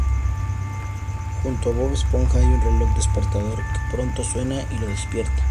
Junto a Bob Esponja hay un reloj despertador, que pronto suena y lo despierta.